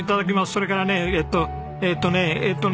それからねえっとえっとね。